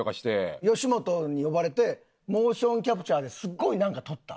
吉本に呼ばれてモーションキャプチャーですっごいなんか撮った。